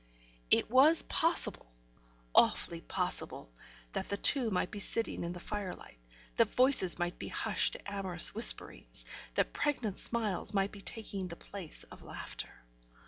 It was possible, awfully possible, that the two might be sitting in the firelight, that voices might be hushed to amorous whisperings, that pregnant smiles might be taking the place of laughter.